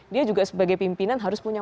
dia juga sebagai pimpinan harus punya